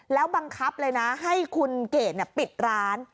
แล้วบังคับเลยนะให้คุณเกดปิดร้าน